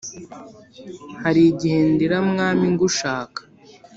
Harigihe ndira mwami ngushaka